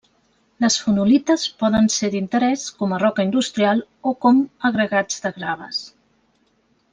Les fonolites poden ser d'interès com a roca industrial o com agregats de graves.